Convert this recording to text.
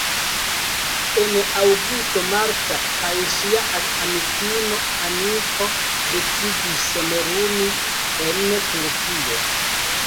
En aŭgusto Marta kaj ŝia amikino Aniko decidis somerumi en Turkio.